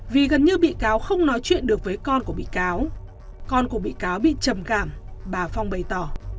vì gần như bi cáo không nói chuyện được với con của bi cáo con của bi cáo bị trầm cảm bà phong bày tỏ